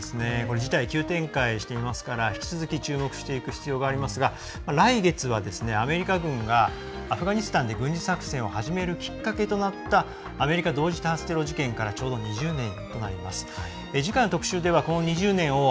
事態が急展開していますから引き続き注目していく必要がありますが来月はアメリカ軍がアフガニスタンで軍事作戦を始めるきっかけとなったアメリカ同時多発テロ事件からちょうど２０年となります。